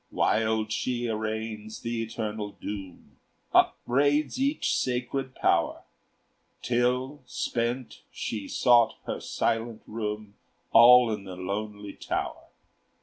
Wild she arraigns the eternal doom, Upbraids each sacred Power, Till, spent, she sought her silent room, All in the lonely tower.